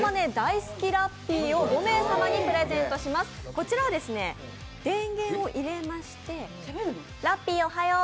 こちらは電源を入れましてラッピーおはよう。